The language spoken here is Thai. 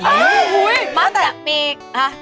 เฮ้ยมากนะมีนึงจากปี